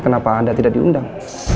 kenapa anda tidak diundang